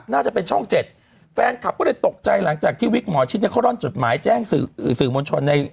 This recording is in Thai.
น่าจะเป็นช่อง๗แฟนคับก็เลยตกใจหลังจากที่วิกหมอชิดในข้อด้อนจดหมายแจ้งสื่อมวลชน